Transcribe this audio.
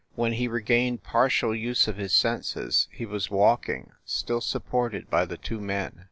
When he regained partial use of his senses he was walking, still supported by the two men.